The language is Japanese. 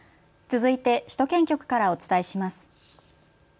続いて首都圏局からお伝えします。